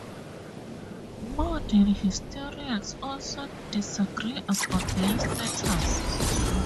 Modern historians also disagree about her status.